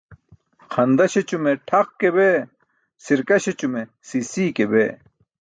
Xanda śećume tʰaq ke bee, sirka śeśume sii sii ke bee.